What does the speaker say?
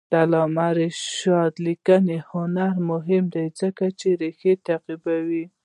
د علامه رشاد لیکنی هنر مهم دی ځکه چې ریښې تعقیبوي.